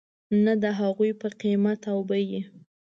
نه د هغوی په قیمت او بیې .